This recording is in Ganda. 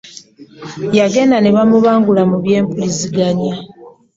Yagenda n'ebamubangula mu by'empuliziganya .